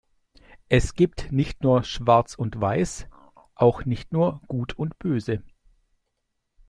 Es gibt nicht nur Schwarz und Weiß, auch nicht nur Gut und Böse.